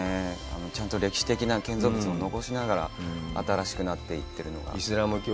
ちゃんと歴史的な建造物も残しながら新しくなっていっているのが。